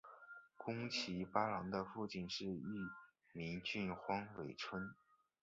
宫崎八郎的父亲是玉名郡荒尾村。